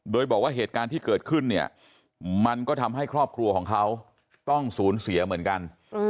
โดยบอกว่าเหตุการณ์ที่เกิดขึ้นเนี่ยมันก็ทำให้ครอบครัวของเขาต้องสูญเสียเหมือนกัน